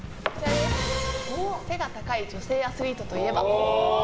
背が高い女性アスリートといえば？